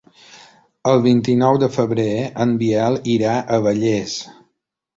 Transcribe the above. El vint-i-nou de febrer en Biel irà a Vallés.